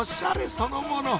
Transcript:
そのもの！